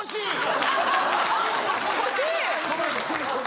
欲しい。